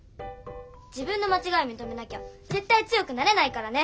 自分のまちがいみとめなきゃぜったい強くなれないからね！